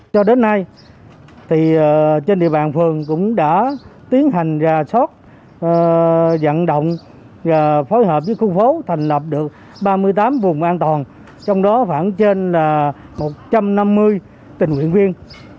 cho đến nay trên địa bàn phường cũng đã tiến hành ra sót dẫn động và phối hợp với khu phố thành lập được ba mươi tám vùng an toàn trong đó khoảng trên một trăm năm mươi tình nguyện viên